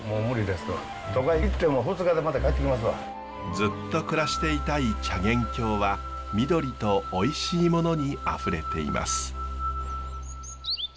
ずっと暮らしていたい茶源郷は緑とおいしいものにあふれています。